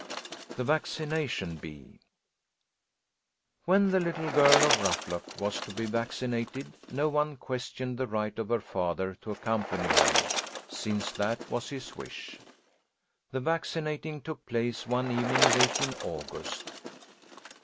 THE VACCINATION BEE When the little girl of Ruffluck was to be vaccinated no one questioned the right of her father to accompany her, since that was his wish. The vaccinating took place one evening late in August.